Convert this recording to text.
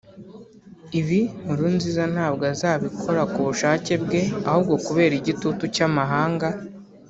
Ibi Nkurunziza ntabwo azabikora ku bushake bwe ahubwo kubera igitutu cy’amahanga